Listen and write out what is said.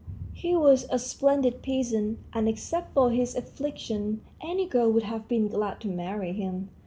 He was a splendid peasant, and, except for his affliction, any girl would have been glad to marry him.